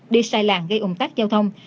đi sai làng gây ủng tác giao thông